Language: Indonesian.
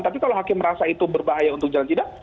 tapi kalau hakim merasa itu berbahaya untuk jalan tidak